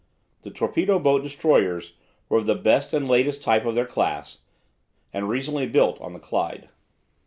The torpedo boat destroyers were of the best and latest type of their class, and recently built on the Clyde.